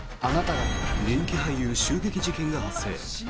人気俳優襲撃事件が発生。